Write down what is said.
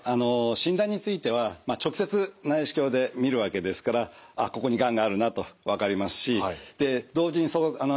診断については直接内視鏡で見るわけですからここにがんがあるなと分かりますしで同時にその胃カメラからですね